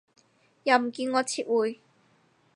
又唔見我撤回